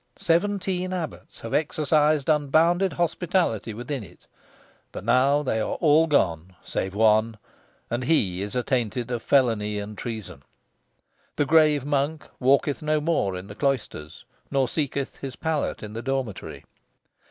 Seventeen abbots have exercised unbounded hospitality within it, but now they are all gone, save one! and he is attainted of felony and treason. The grave monk walketh no more in the cloisters, nor seeketh his pallet in the dormitory.